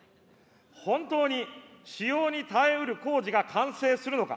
本当に使用に耐えうる工事が完成するのか。